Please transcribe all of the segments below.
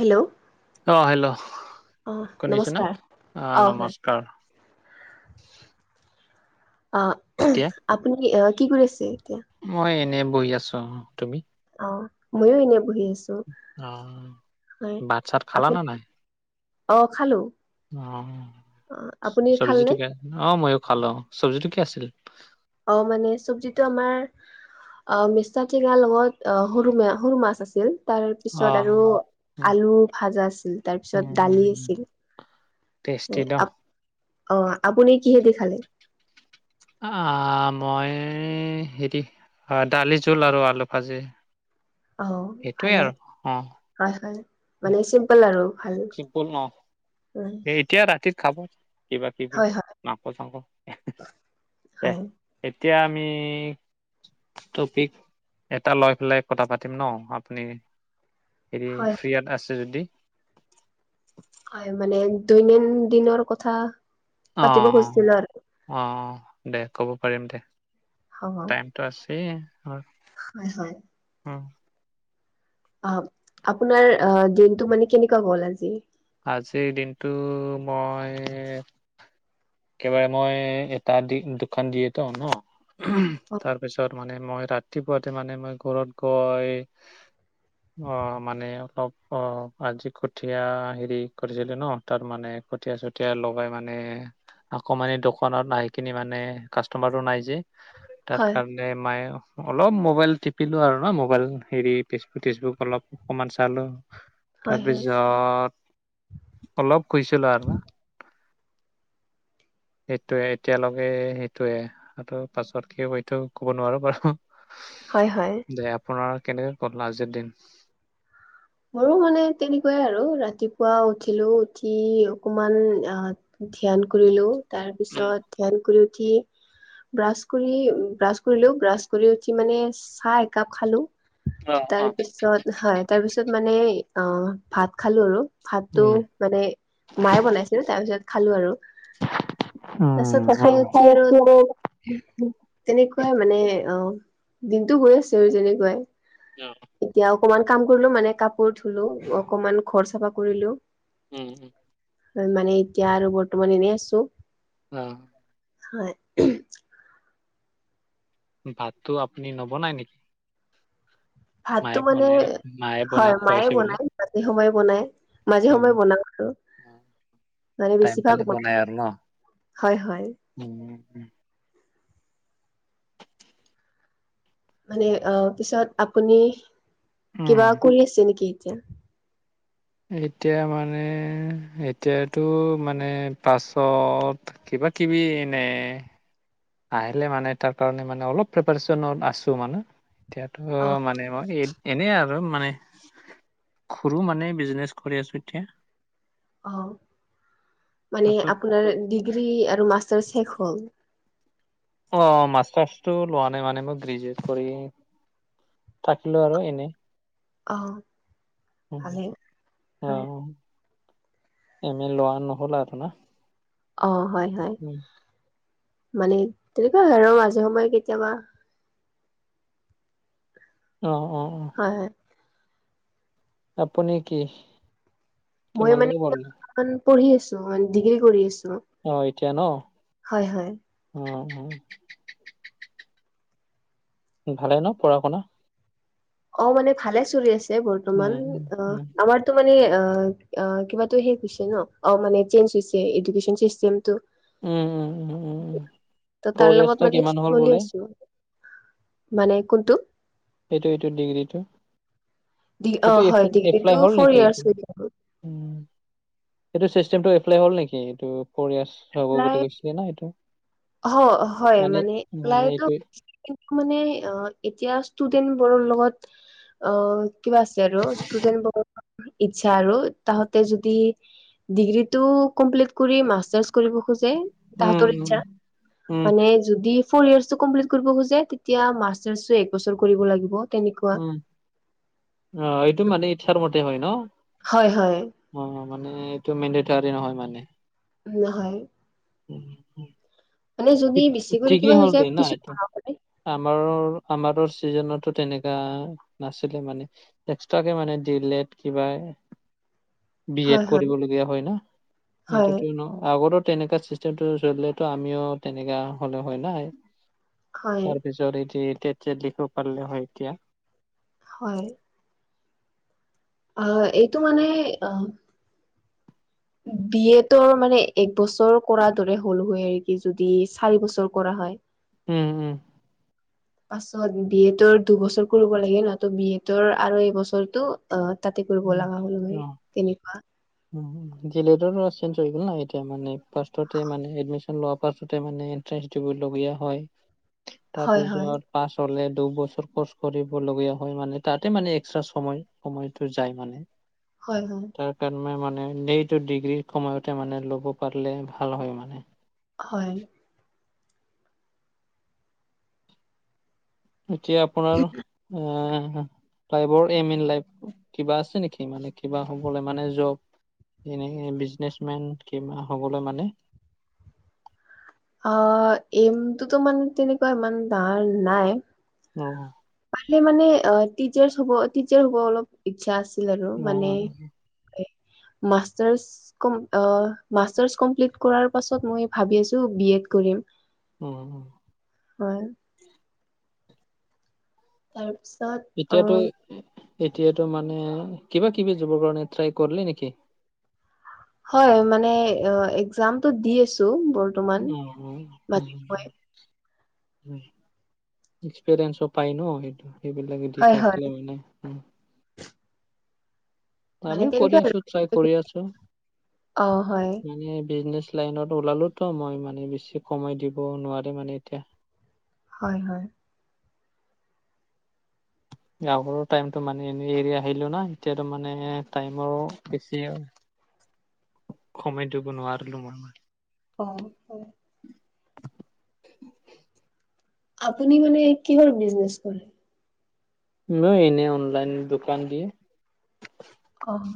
Hello অ', hello অ শুনিছ ন নমস্কাৰ অ' নমস্কাৰ। অ' এতিয়া আপুনি কি কৰি আছে এতিয়া মই এনেই বহি আছোঁ আৰু তুমি অ', ময়ো এনে বহি আছো অ' হয় ভাত চাত খালা নে আপুনি নাই অ' খালো অ' অ আপুনি চব্জিটো খালনে কি অ' ময়ো খালোঁ চব্জিটো কি আছিলে অ' মানে চব্জিতটো আমাৰ অ' মিচকা টেঙাৰ লগত সৰু ম সৰু মাছ আছিল অ তাৰপিছত আৰু উম আলু ভাজা আছিল, তাৰপিছত উম, দালি আছিল। টেষ্টি ন। অ' আপুনি কিহেঁদি খালে। আহ মই হেতি অ' দালি জোল আৰু আলু ভাজি। অ' সেইটোৱে ভালে আৰু অ হয় হয় মানে চিম্পল আৰু ভালেই। চিম্পুল ন এতিয়া ৰাতি খাব কিবা কিবি হয় হয় মাংস-চাংস। হয় এতিয়া আমি টপিক এটা লৈ পেলাই কথা পাতিম ন আপুনি হেৰি হয় ফ্ৰিয়ত আছে যদি হয় মানে দৈনিন দিনৰ কথা। পাতিব অ' খুজিছিলো আৰু অ' অ' দে ক'ব পাৰিম দে। হব আছেই হা হয় হয়। অ। অ আপোনাৰ অ দিনটো মানে কেনেকুৱা গ'ল আজি? আজিৰ দিনটো মই একেবাৰে মই এটা দি দোকান দিয়ে ত ন অ তাৰ পিছত মানে মই ৰাতিপুৱাতে মানে মই ঘৰত গৈ অ মানে অলপ অ আজি কঠীয়া সেত- সি কৰিছিলে ন তাত মানে কঠিয়া চঠিয়া লগাই মানে আকৌ মানে দোকানত আহি কিনি মানে কাষ্টমাৰো নাই যে তাৰ হয় কান- মাই অলপ মোবাইল টিপিলো আৰু ন মোবাইল হেৰি ফেচবুক চেচবুক অলপ অকমান চালো হয় হয় তাৰপিছত অলপ শুইছিলোঁ আৰৱা। সেইটোয়ে এতিয়ালৈকে সেইটোয়ে আৰু পাছত কি এইটো কব নোৱাৰো বাৰু। হয় হয়। দে আপোনাৰ কেনেকে গ'ল আজিৰ দিন? মোৰো মানে তেনেকুৱাই আৰু ৰাতিপুৱা উঠিলোঁ উঠি অকমান আহ ধ্যান কৰিলোঁ, তাৰ উম, পিছত ধ্যান কৰি উঠি ব্ৰাছ কৰি ব্ৰাছ কৰিলো ব্ৰাছ কৰি উঠি মানে চাহ একাপ খালোঁ। অ তাৰ অ'। পিছত হয় তাৰ পিছত মানে অ ভাত খালোঁ আৰু। ভাতটো মানে মায়ে বনাইছিল তাৰপিছত খালোঁ আৰু। তাৰপিছত খাই উঠি আৰু তেনেকুৱাই মানে অ দিনতটো গৈ আছে বাৰু যেনেকুৱাই। অ। এতিয়া অকমান কাম কৰিলোঁ, মানে কাপোৰ ধুলো, অকমান ঘৰ চাফা কৰিলোঁ। উম উ। হয় মানে এতিয়া আৰু বৰ্তমান এনেই আছো। অহ। হয়। ভাতো আপুনি নবনাই নেকি? ভাতটো মায়ে মানে বনাই মায়ে বনাই হয় মায়ে খুৱাইছে বুলি বনায় ৰাতি সময়ে বনায়। মাজে সময়ে অ', বনাও আৰু। মানে টাইম বেছিভাগ পালে মায়ে, বনাই আৰু ন হয় হয়। [unintelligible] মানে অ পিছত আপুনি কিবা উম। কৰি আছে নেকি এতিয়া? এতিয়া মানে এতিয়াতো মানে পাছত কিবা কিবি এনে আহিলে মানে তাৰ কাৰণে মানে অলপ প্ৰিপাৰেচন আছোঁ মানে। তেয়া ত অ', মানে মই এনে আৰ। আৰু মানে ঘৰু মানে বিজনেচ কৰি আছো এতিয়া। অ মানে পাছত আপোনাৰ ডিগ্ৰী আৰু মাষ্টাৰ শেষ হ'ল। অ মাষ্টাৰ্চটো লোৱা নাই মানে মই গ্ৰেজুৱেট কৰি থাকিলো আৰু এনে। অ। উহ ভালে অ হয় এম এনে লোৱা নহ'ল আপোনা? অ হয় হয়, মানে তেনেকুৱা হয় আৰু মাজে সময়ে কেতিয়াবা। অ অ অ। হয় হে। আপুনি কি? মই মানে কিমানলৈকে পঢ়িলে? পঢ়ি আছো, ডিগ্ৰী কৰি আছো। অ এতিয়া ন। হয় হয়। ৱ উ। ভালে ন পঢ়া শুনা। অ' মানে ভালে চলি আছে বৰ্তমান উম অ উম আমাৰ- ত মানে অ অ কিবাটো শেষ হৈছে ন অ মানে চেঞ্জ হৈছে এডকেন চিস্টেমটো। উম, উম, উম, উম, উম, ত তাৰ ফ'ৰ লগত ইয়াৰ্চটা মানে কিমান হ'ল ছলি বোলে? আছো। মানে কোনটো? এইটো এইটো ডিগ্ৰীটো ডি অ এইটো হয় এ ডিগ্ৰীটো এপ্লাই হ'ল ফ'ৰ নেকি ইয়াৰ্চ এইটো। হৈ যাব উম, এইটো চিষ্টেমটো এপ্লাই হ'ল নেকি? এইটো ফ'ৰ ইয়াৰ্চ হ'ব এপ্লাই বুলি কৈছে। নাই এইটো অ' হয় মানে মানে এপালাইটো এইটো এইটো মানে অ' এতিয়া ষ্টুডেন্ট বোৰৰ লগত অ কিবা আছে আৰু ষ্টুডেন্ট বোৰৰ ইচ্ছা আৰু তাহতে যদি- ডিগ্ৰীটো কমপ্লিট কৰি মাষ্টাৰ্চ কৰিব খোজে। তাহাঁতৰ উম ইচ্ছা উম। মানে যদি ফৰইয়েৰ্চটো কম্প্লিট কৰিব খোজে তেতিয়া মাষ্টাৰটো একবছৰ কৰিব লাগিব। তেনেকুৱা উম, অ' এইটো মানে ইচ্ছাৰ মতে হয় ন? হয় হয়। অ' মানে এইটো মেন্ডেটাৰী নহয় মানে। নহয়। মানে যদি বেছি কৰি ঠিকেই কিবা হৈ হ'ল যায় দে না পিছত এইটো। ভাল হয় আমাৰ আমাৰটো ছিজনতো তেনেকা নাছিলে মানে। এক্সট্ৰাকে মানে দিএলেট কিবা [inaudible] বি এড হয় কৰিবলগীয়া হয় না হয় সেইটোতো ন আগৰতো তেনেকা চি চলিলেটো আমিও তেনেককা হ'লে হয় নাই হয় তাৰপিছত জৰুৰী তথ্য দিব পাৰিলু হয় এতিয়া। হয়। হয় হয় ইটো মানে অ' বি এড তৰ মানে এক বছৰ কৰা দৰে হ'ল হয় আৰু কি যদি চাৰি বছৰ কৰা হয়। উম উম। পাছত বি এডৰ দুবছৰ কৰিব লাগে। নহয়তু বি এডৰ আৰু এইবছৰটো অ' তাতে কৰিব উম লগা হ'লহৈ অ তেনেকুৱা উম দি এল এডৰ হৈ গল ন এতিয়া মানে ফাৰ্ষ্টতে মানে এডমিশন লোৱাৰ পাছতে মানে- টেচ দিবলগীয়া হয়। [inaudible] হয় হয় তাৰপিছত পাছ হলে দুবছৰ কৰ্চ কৰিবলীয়া হয় মানে তাতে মানে এক্সট্ৰা সময় সময় ত' যায় মানে। হয় হয়। তাৰ কাৰণে মানে এইটো ডিগ্ৰীৰ সময়তে মানে ল'ব পাৰিলে ভাল হয় মানে। হয়। এতিয়া আপোনাৰ আহ' এইম ইন লাইফ কিবা আছে নেকি মানে কিবা হ'বলৈ মানে জব এনেকে বিজনেচ মেন কিবা হবলে মানে? অ' এইমটোতো মানে তেনেকুৱা ইমান ডাৰ নাই। অ'। পালে মানে অ' টিচাৰ হব টিচাৰ হ'ব অলপ ইচ্ছা আছিল আৰু অ মানে মাষ্টাৰ্ছ অ' মাষ্টাৰ্ছ কমপ্লিট কৰাৰ পাছত মই ভাবি আছো বি এড কৰিম। উম উম। হয়। তাৰপিছত অ এতিয়াতো এতিয়াতো মানে কিবা কিবি দিব কাৰণে ট্ৰাই কৰিলি নেকি? হয় মানে অঁ এ এক্জামটো দি আছো ব উম উম উম এক্সপৰিয়েঞ্চো পাই ন সেইটো সেইবিলাকে দি হয় হয় থাকিলে মানে। উম মানে আমিও কৰি তেনেকুৱা আছো ট্ৰাই আৰু কৰি আছো, অ হয় মানে বিজনেচ লাইনত ওলালোঁতো মই মানে বেছি সময় দিব নোৱাৰি মানে এতিয়া। হয় হয়। গাভৰু টাইমটো মানে এনে এৰি আহিলো না, এতিয়াতো মানে টাইমৰ বেছি [inaudible] সময় দিব নোৱাৰিলো মই। অঁ হয়। আপুনি মানে কিহৰ বিজনেচ কৰে? মই এনে অনলাইন দোকান দিয়ে। অঁহ।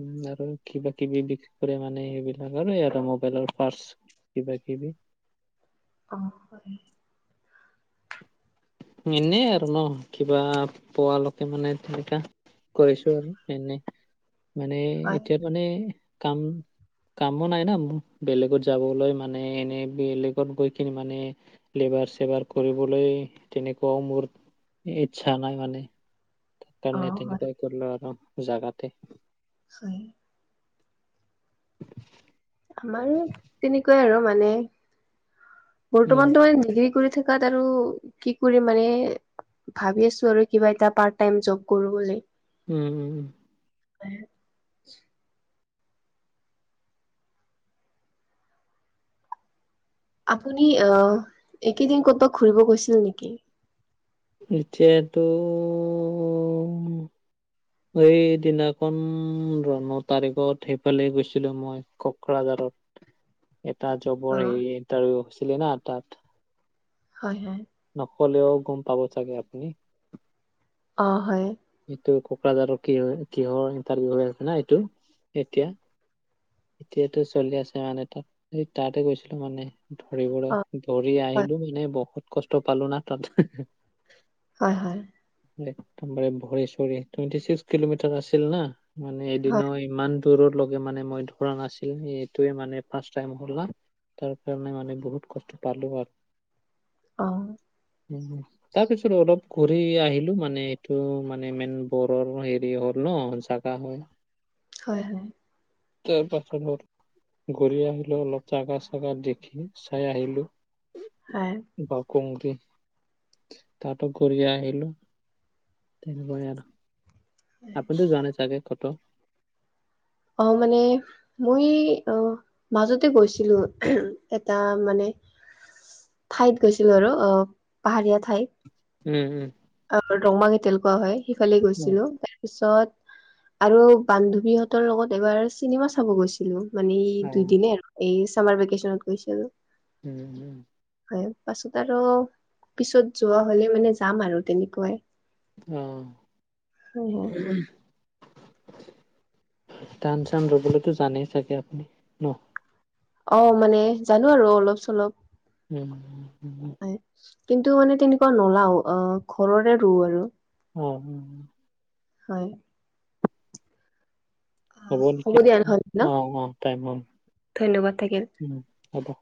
উম আৰু কিবা কিবি বিক্ৰী কৰে মানে সেইবিলাক আৰু আৰু মোবাইলৰ পাৰ্চ। কিবা কিবি। অঁ হয়। এনেই আৰু ন কিবা পোৱালৈকে মানে তেনেকা। কৰিছো আৰু এনেই মানে হয় এতিয়া মানে কাম- কামো নাই না মোৰ বেলেগত যাবলৈ মানে এনে বেলেগত গৈ কিনি মানে- লেবাৰ চেবাৰ কৰিবলৈ। তেনেকুৱাও মোৰ ইচ্ছা নাই মানে তাৰ অ কাৰণে হয় তেনেকুৱাই কৰিলো আৰু। জাগাতে। হয় আমাৰো তেনেকুৱাই আৰু মানে উম, বৰ্তমানতো মানে ডিগ্ৰী কৰি থাকে। তাত আৰু কি কৰি মানে ভাবি আছো আৰু কিবা এটা পাৰ্ত টাইম জব কৰো বুলি। উম উম উম [unintelligible] আপুনি আহ একেইদিন ক'তবাত ঘুৰিব গৈছিল নেকি? এতিয়াটো সেই দিনাখন ৰ ন' তাৰিখত সেইফালে গৈছিলো মই কোকৰাঝাৰত। উ [inaudible] এটা জবৰ হেৰি ইণ্টাৰভিউ হৈছিলে না তাত। হয় হয় নকলেও গম পাব চাগে আপুনি। অ হয়। এইটো কোকৰাঝাৰৰ কি কিহৰ ইণ্টাৰভিউ হৈ আছে না এইটো এতিয়া। এতিয়াতো চলি আছে মানে তাত স তাতে গৈছিলো মানে। অ দৌৰিবলৈ দৌৰি হয় আহিলো মানে বহুত কষ্ট পালো না তাত। হয় হয়। একদম বাৰে ভৰি চৰি টোৱেনটি ছিক্স কিলোমিটাৰ আছিল না। মানে এদিন হয় ইমান দূৰত। লগে মানে মই দৌৰা নাছিলো সেইটোয়ে মানে ফাৰ্ষ্ট টাইম হল না। তাৰ কাৰণে মানে বহুত কষ্ট পালোঁ আৰু। অঁ উম তাৰ পিছত অলপ ঘূৰি আহিলো মানে এইটো মানে। ইমেন গৰম হেৰি হয় ন জাগা হয়। হয়, হয়। [unintelligible] ঘূৰি আহিলো অলপ জাগা চাগা দেখি চাই আহিলো। হয়। বৰ কুংতি তাতো ঘূৰি আহিলো। [unintelligible] বঢ়িয়া ন? [unintelligible] তুমিটো যোৱা নাই চাগে কতো? অ মানে মুই অ মাজতে গৈছিলো এটা মানে ঠাইত গৈছিলো আৰু অ পাহাৰীয়া ঠাইত। হুম হুম। [unintelligible] হয় সেইফালে উম গৈছিলো। পিছত আৰু বান্ধৱীহঁতৰ লগত এবাৰ চিনেমা চাব গৈছিলো। মানে এই অ দুইদিনে আৰু এই চামাৰ ভেকেচনত গৈছিলো। উম, উম। হয় পাছত আৰু পিছত যোৱা হ'লে মানে যাম আৰু তেনেকুৱাই। অ। হয় হয় টান চান লবলৈতো জানেই চাগে আপুনি ন? অ মানে জানো আৰু অলপ-চলপ। উম [unintelligible] কিন্তু মানে তেনেকুৱা নলাও, অ ঘৰৰে ৰোওঁ আৰু। অ উম। হয়। হ'ব নেকি দিয়া আৰু? নহলে ন অ অ টাইম হ'ল, ধন্যবাদ থাকিল। উ হ'ব।